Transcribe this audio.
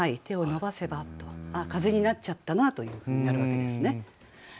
「手を伸ばせば」とあっ風になっちゃったなという句になるわけですね。